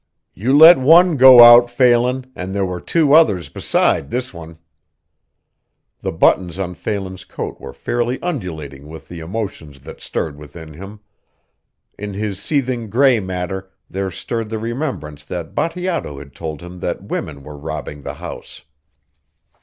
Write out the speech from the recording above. "You let one go out, Phelan, and there were two others beside this one." The buttons on Phelan's coat were fairly undulating with the emotions that stirred within him. In his seething gray matter there stirred the remembrance that Bateato had told him that women were robbing the house.